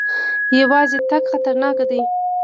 یوازې تګ خطرناک دی.